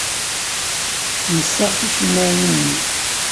Nessaɣ ticemmaɛin-nni.